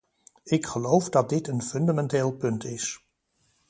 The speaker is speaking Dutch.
Ik geloof dat dit een fundamenteel punt is.